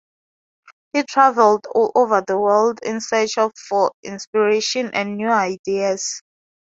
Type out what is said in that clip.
He travelled all over the world in search for inspiration and new ideas.